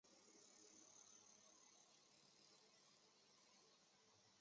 排湾语只有代词本身会依格位之不同而进行变格运作。